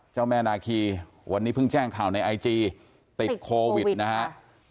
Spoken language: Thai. เจ้าแม่นาคีวันนี้เพิ่งแจ้งข่าวในไอจีติดโควิดนะฮะ